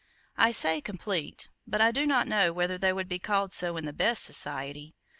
I say, "complete;" but I do not know whether they would be called so in the best society.